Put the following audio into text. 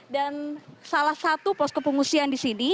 dan salah satu posko pengungsian di sini